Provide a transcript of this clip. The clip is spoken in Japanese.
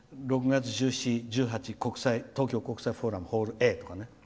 月１７、１８東京国際フォーラムホールＡとかね。